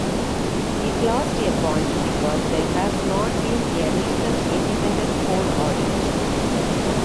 It lost a point because there has not been a recent independent code audit.